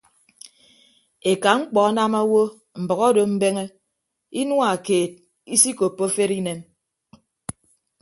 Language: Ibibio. Eka mkpọ anam owo mbʌk odo mbeñe inua keed isikoppo afere inem.